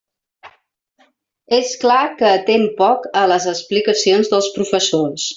És clar que atén poc a les explicacions dels professors.